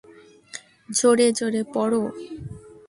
জোরে জোরে পড়ো।